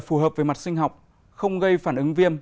phù hợp với mặt sinh học không gây phản ứng viêm